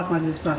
nafas masih susah